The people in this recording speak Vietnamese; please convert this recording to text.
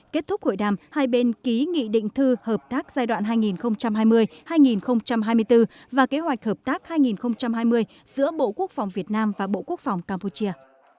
kết thúc hội đàm hai bên ký nghị định thư hợp tác giai đoạn hai nghìn hai mươi hai nghìn hai mươi bốn và kế hoạch hợp tác hai nghìn hai mươi giữa bộ quốc phòng việt nam và bộ quốc phòng campuchia